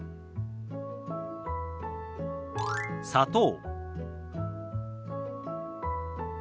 「砂糖」。